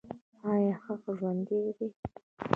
ایا هغه ژوندی دی؟